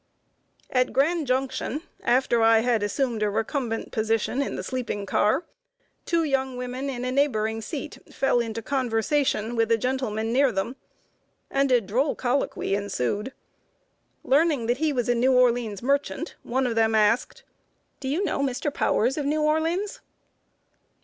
At Grand Junction, after I had assumed a recumbent position in the sleeping car, two young women in a neighboring seat fell into conversation with a gentleman near them, when a droll colloquy ensued. Learning that he was a New Orleans merchant, one of them asked: "Do you know Mr. Powers, of New Orleans?"